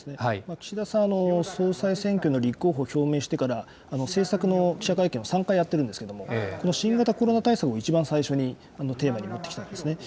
岸田さんは総裁選挙の立候補を表明してから、政策の記者会見を３回やってるんですけれども、この新型コロナ対策を一番最初にテーマに持ってきたんですね。